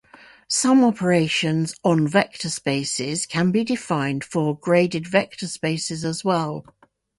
Some operations on vector spaces can be defined for graded vector spaces as well.